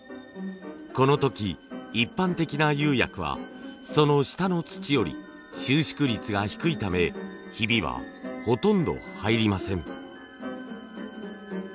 この時一般的な釉薬はその下の土より収縮率が低いためヒビはほとんど入りません。